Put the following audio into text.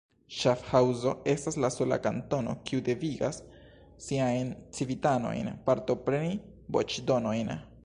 Ŝafhaŭzo estas la sola kantono, kiu devigas siajn civitanojn partopreni voĉdonojn.